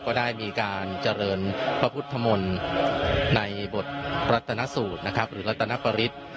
ก็ได้มีการเจริญพระพุทธมนตร์ในบทรัฐนสูตรนะครับหรือรัตนปริศ